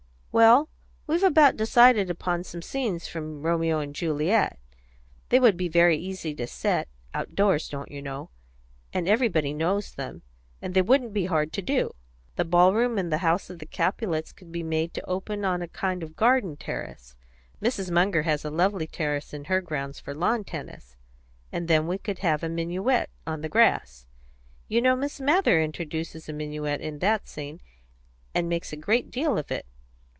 "Well, we've about decided upon some scenes from Romeo and Juliet. They would be very easy to set, outdoors, don't you know, and everybody knows them, and they wouldn't be hard to do. The ballroom in the house of the Capulets could be made to open on a kind of garden terrace Mrs. Munger has a lovely terrace in her grounds for lawn tennis and then we could have a minuet on the grass. You know Miss Mather introduces a minuet in that scene, and makes a great deal of it.